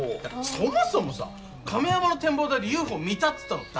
そもそもさ亀山の展望台でＵＦＯ見たっつったの誰？